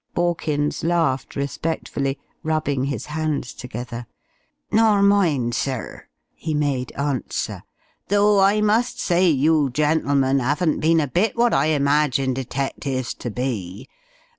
Borkins laughed respectfully, rubbing his hands together. "Nor mine, sir," he made answer. "Though I must say you gentlemen 'aven't been a bit what I imagined detectives to be.